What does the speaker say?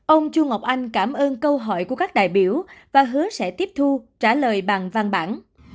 ông chu ngọc anh cảm ơn câu hỏi của các đại biểu và hứa sẽ tiếp thu trả lời bằng văn bản